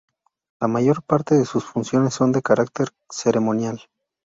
La mayor parte de sus funciones son de carácter ceremonial.